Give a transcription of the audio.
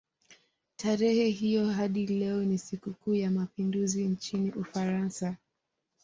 Tarehe hiyo hadi leo ni sikukuu ya mapinduzi nchini Ufaransa.